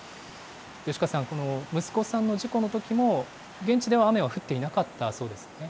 吉川さん、息子さんの事故のときも、現地では雨は降っていなかったそうですね。